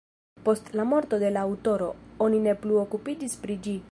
Post la morto de la aŭtoro, oni ne plu okupiĝis pri ĝi.